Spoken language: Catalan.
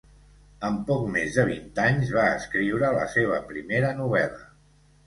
Amb poc més de vint anys, va escriure la seva primera novel·la.